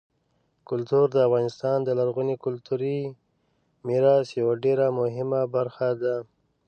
کلتور د افغانستان د لرغوني کلتوري میراث یوه ډېره مهمه برخه ده.